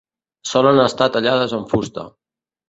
Solen estar tallades en fusta.